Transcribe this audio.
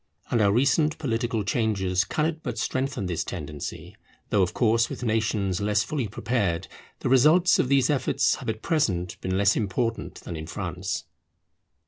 And our recent political changes cannot but strengthen this tendency; though of course with nations less fully prepared the results of these efforts have at present been less important than in France.